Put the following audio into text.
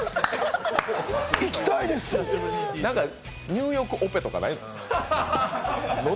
ニューヨークオペとかないの？